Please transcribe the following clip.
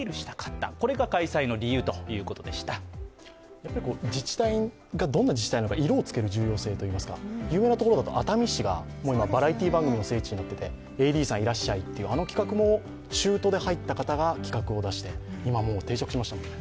やっぱり自治体がどんな自治体なのか色をつける重要性といいますか有名なところだと熱海市が今、バラエティー番組の聖地になっていてＡＤさんいらっしゃいという、あの企画も中途で入った方が企画して、今もう定着しましたからね。